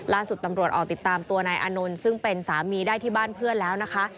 ล่าสุดตำรวจออกติดตามตัวนายอานนท์ซึ่งเป็นสามีได้ที่บ้านเพื่อนแล้วนะคะ